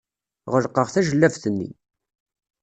Ɣelqeɣ tajellabt-nni.